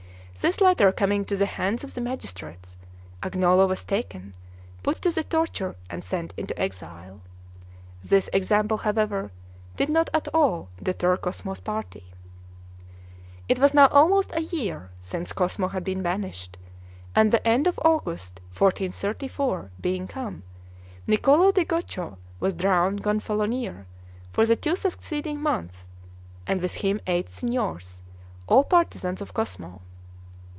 This letter coming to the hands of the magistrates, Agnolo was taken, put to the torture, and sent into exile. This example, however, did not at all deter Cosmo's party. It was now almost a year since Cosmo had been banished, and the end of August, 1434, being come, Niccolo di Cocco was drawn Gonfalonier for the two succeeding months, and with him eight signors, all partisans of Cosmo.